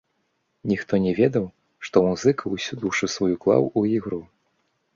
Ніхто не ведаў, што музыка ўсю душу сваю клаў у ігру.